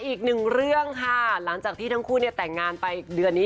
อีกหนึ่งเรื่องค่ะหลังจากที่ทั้งคู่เนี่ยแต่งงานไปเดือนนี้